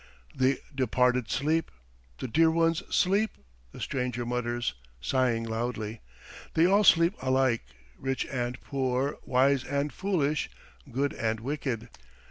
"The departed sleep; the dear ones sleep!" the stranger mutters, sighing loudly. "They all sleep alike, rich and poor, wise and foolish, good and wicked.